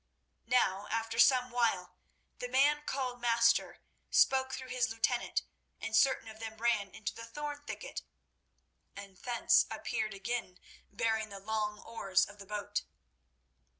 Now, after some while, the man called "master" spoke through his lieutenant, and certain of them ran into the thorn thicket, and thence appeared again bearing the long oars of the boat.